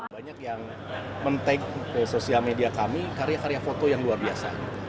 banyak yang men tag ke sosial media kami karya karya foto yang luar biasa